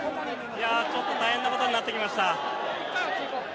ちょっと大変なことになってきました。